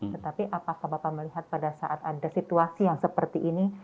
tetapi apakah bapak melihat pada saat ada situasi yang seperti ini